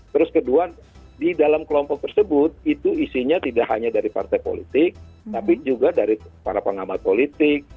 terus kedua di dalam kelompok tersebut itu isinya tidak hanya dari partai politik tapi juga dari para pengamat politik